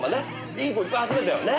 いい子いっぱい集めてよ。ね。